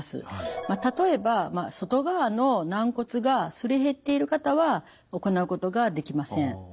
例えば外側の軟骨がすり減っている方は行うことができません。